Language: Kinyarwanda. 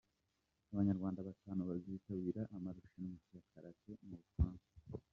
Abanyarwanda batanu bazitabira amarushanwa ya Karate mu Bufaransa